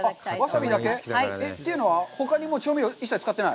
わさびだけ？というのは、ほかにも調味料、一切使ってない？